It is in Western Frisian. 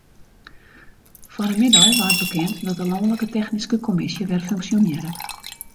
Fan 'e middei waard bekend dat de lanlike technyske kommisje wer funksjonearret.